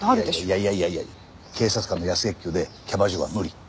いやいやいやいや警察官の安月給でキャバ嬢は無理。